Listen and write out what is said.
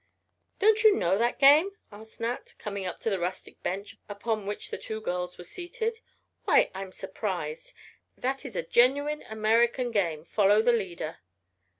"Don't you know that game?" asked Nat, coming up to the rustic bench upon which the two girls were seated. "Why, I'm surprised. That is a genuine American game 'Follow the Leader.'"